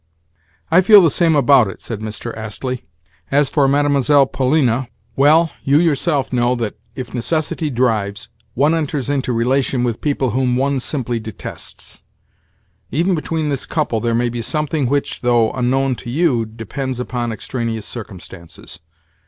"I feel the same about it," said Mr. Astley. "As for Mlle. Polina—well, you yourself know that, if necessity drives, one enters into relation with people whom one simply detests. Even between this couple there may be something which, though unknown to you, depends upon extraneous circumstances.